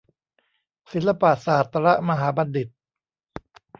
ศิลปศาสตรมหาบัณฑิต